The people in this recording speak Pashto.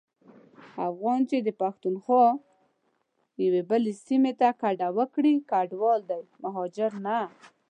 افغان چي د پښتونخوا یوې بلي سيمي ته کډه وکړي کډوال دی مهاجر نه.